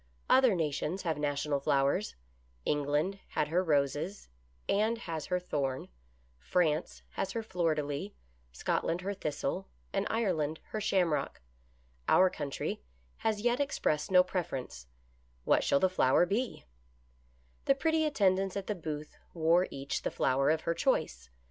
Other nations have national flowers ; England had her Roses, and has her Thorn ; France has her Fleur de lis, Scotland her Thistle, and Ireland her Shamrock ; our country has as yet expressed no preference — what shall the flower be } The pretty attendants at the booth wore each the flower of her choice.